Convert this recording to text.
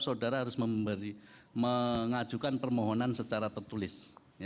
saudara harus mengajukan permohonan secara tertulis